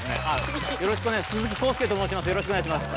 よろしくお願いします。